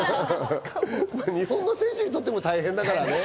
日本の選手にとっても大変だからね。